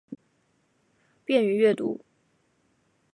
便于阅读